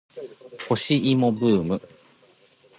干し芋ブーム